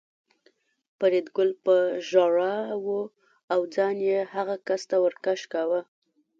فریدګل په ژړا و او ځان یې هغه کس ته ور کش کاوه